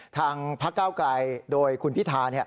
ทางพักเก้าไกลโดยคุณพิธา